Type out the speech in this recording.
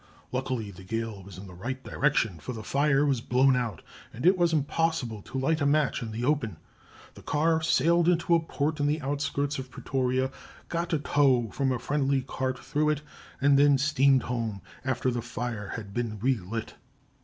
Luckily the gale was in the right direction, for the fire was blown out, and it was impossible to light a match in the open. The car sailed into a poort on the outskirts of Pretoria, got a tow from a friendly cart through it, and then steamed home after the fire had been relit.